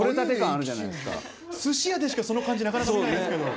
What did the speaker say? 寿司屋でしかその漢字なかなか見ないですけど。